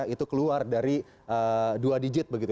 itu keluar dari dua digit begitu